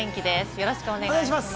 よろしくお願いします。